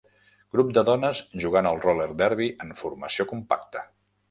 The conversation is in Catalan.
Grup de dones jugant al "roller derby" en formació compacta.